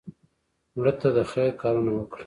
مړه ته د خیر کارونه وکړه